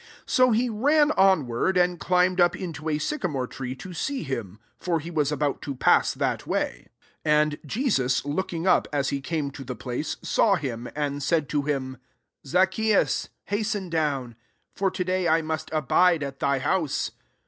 4 So he ran on ward, and climbed up into a sycamore tree to see him : for he was about to pass that way. 5 And Jesus looking up as he came to the place, saw him, and said to him, '^ Zaccheus, hasten down : for to day I must abide at thy house."